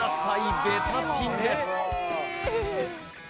ベタピンです